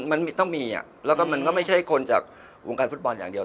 มันต้องมีแล้วก็มันก็ไม่ใช่คนจากวงการฟุตบอลอย่างเดียว